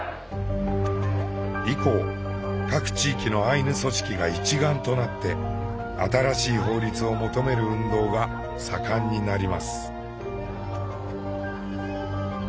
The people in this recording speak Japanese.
以降各地域のアイヌ組織が一丸となって新しい法律を求める運動が盛んになります。